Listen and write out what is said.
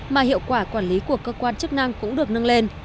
mà hiệu quả quản lý của cơ quan chức năng cũng được nâng lên